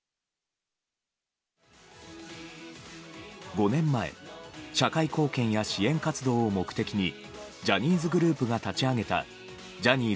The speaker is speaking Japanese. ５年前社会貢献や支援活動を目的にジャニーズグループが立ち上げたＪｏｈｎｎｙ